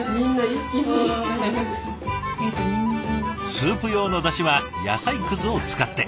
スープ用のだしは野菜くずを使って。